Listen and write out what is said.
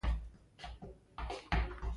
غرغړې ته منتظر ول.